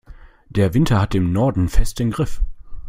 Der Winter hat den Norden fest im Griff.